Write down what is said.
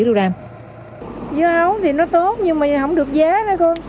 dưa hấu thì nó tốt nhưng mà không được giá nữa con